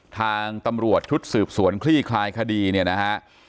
ทางตำรวจชุดสืบสวนคลี่คลายคดีเนี่ยนะฮะ